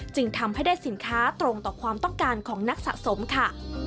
จึงทำให้ได้สินค้าตรงต่อความต้องการของนักสะสมค่ะ